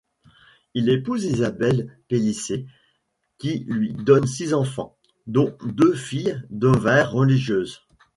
Il épouse Isabel Pellicer, qui lui donne six enfants, dont deux filles devinrent religieuses.